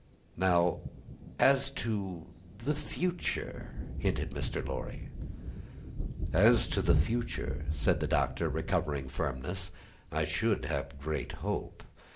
"Now, as to the future," hinted Mr. Lorry. "As to the future," said the Doctor, recovering firmness, "I should have great hope.